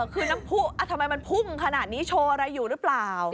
คือน้ำผู้ทำไมมันพุ่งขนาดนี้โชว์อะไรอยู่หรือเปล่า